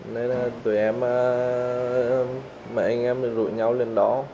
nên là tụi em mà anh em rủ nhau lên đó